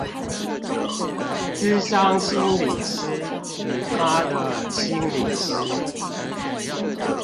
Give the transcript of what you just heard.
諮商心理師與她的心理師